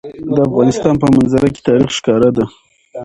د افغانستان په منظره کې تاریخ ښکاره ده.